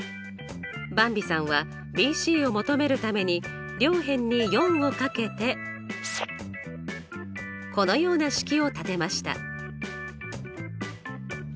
ばんびさんはＢＣを求めるために両辺に４を掛けてこのような式を立てました。